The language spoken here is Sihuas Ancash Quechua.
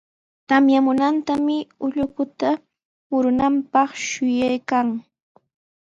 Tamyamunantami ullukuta murunanpaq shuyaykan.